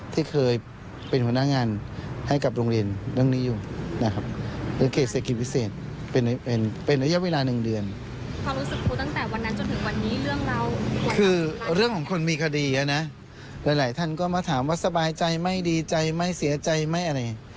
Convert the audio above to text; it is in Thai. ที่เคยเป็นหัวหน้างานให้กับโรงเรียน